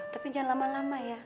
tapi jangan lama lama ya